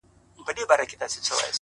زما په مرگ دي خوشالي زاهدان هيڅ نکوي ـ